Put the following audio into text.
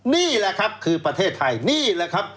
นี่แหละครับคือประเทศไทยนี่แหละครับ